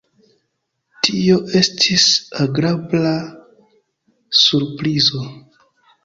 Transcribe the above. Tio estis agrabla surprizo.